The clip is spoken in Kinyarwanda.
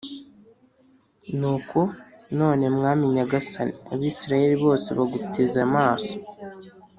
Nuko none mwami nyagasani, Abisirayeli bose baguteze amaso